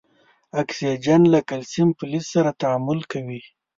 اکسیجن له کلسیم فلز سره تعامل کوي.